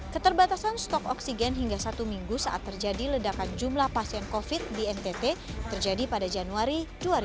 keterbatasan stok oksigen hingga satu minggu saat terjadi ledakan jumlah pasien covid di ntp terjadi pada januari dua ribu dua puluh